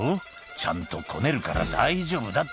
「ちゃんとこねるから大丈夫だって」